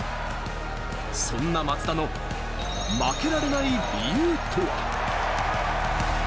そんな松田の負けられない理由とは？